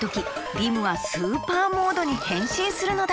リムはスーパーモードにへんしんするのだ！